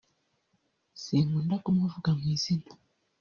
sinkunda kumuvuga mu izina